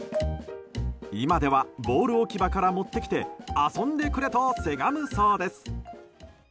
今ではボール置き場から持ってきて遊んでくれとせがむそうです。